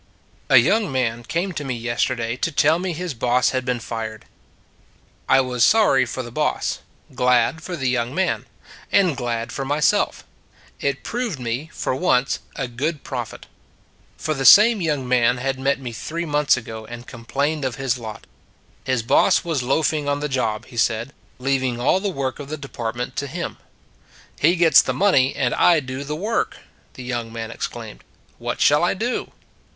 A young man came to me yesterday to tell me his boss had been fired. I was sorry for the boss; glad for the young man; and glad for myself. It proved me, for once, a good prophet. For the same young man had met me three months ago and complained of his lot. His boss was loafing on the job, he said, leaving all the work of the depart ment to him. " He gets the money, and I do the work," the young man exclaimed. "What shall I do?"